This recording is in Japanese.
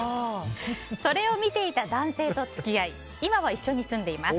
それを見ていた男性と付き合い今は一緒に住んでいます。